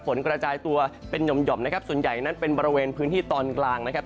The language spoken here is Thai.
กระจายตัวเป็นหย่อมนะครับส่วนใหญ่นั้นเป็นบริเวณพื้นที่ตอนกลางนะครับ